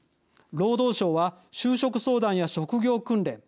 労働省は就職相談や職業訓練。